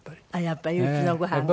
やっぱりうちのごはんがいい？